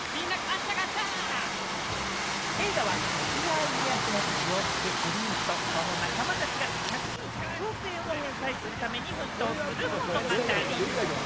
映画は徳川家康の血を引くプリンスとその仲間たちが借金１００億円を返済するために奮闘する物語。